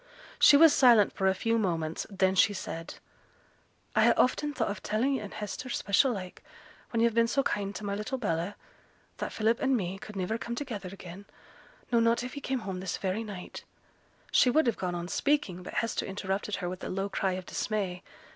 She was silent for a few moments, then she said, 'I ha' often thought of telling yo' and Hester, special like, when yo've been so kind to my little Bella, that Philip an' me could niver come together again; no, not if he came home this very night ' She would have gone on speaking, but Hester interrupted her with a low cry of dismay.